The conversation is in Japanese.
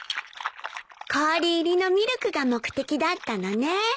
氷入りのミルクが目的だったのね。